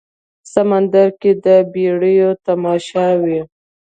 سمندر کې د بیړیو تماشا وي